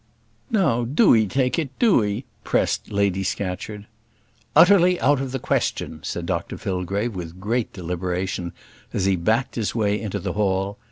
"Now, do 'ee take it, do 'ee," pressed Lady Scatcherd. "Utterly out of the question," said Dr Fillgrave, with great deliberation, as he backed his way into the hall.